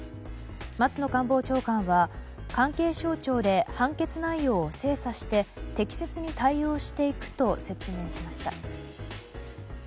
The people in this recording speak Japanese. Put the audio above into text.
松野官房長官は関係省庁で判決内容を精査して適切に対応していくと説明しました。